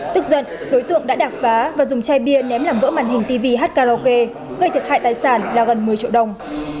tức giận đối tượng đã đạp phá và dùng chai bia ném làm vỡ màn hình tv hát karaoke gây thiệt hại tài sản là gần một mươi triệu đồng